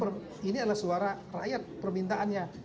kita otomatis kenapa ini adalah suara rakyat permintaannya